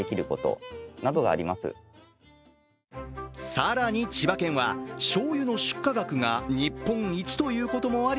更に、千葉県はしょうゆの出荷額が日本一ということもあり